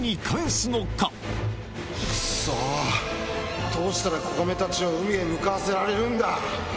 くっそー、どうしたら子ガメたちを海へ向かわせられるんだ。